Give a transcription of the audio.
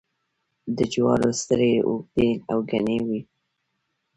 د جوارو سترۍ اوږدې او گڼې وي.